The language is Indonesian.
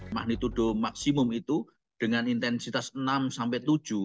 magnitudo maksimum itu dengan intensitas enam sampai tujuh